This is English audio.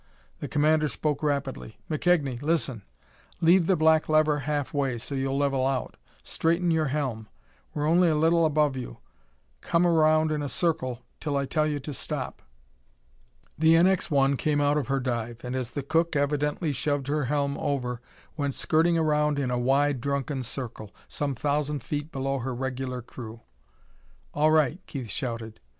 The commander spoke rapidly. "McKegnie, listen: Leave the black lever halfway, so you'll level out. Straighten your helm. We're only a little above you; come round in a circle till I tell you to stop." The NX 1 came out of her dive, and, as the cook evidently shoved her helm over, went skirting around in a wide, drunken circle, some thousand feet below her regular crew. "All right!" Keith shouted.